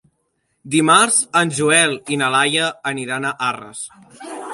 Dimarts en Joel i na Laia aniran a Arres.